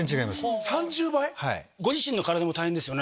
３０倍⁉ご自身の体も大変ですよね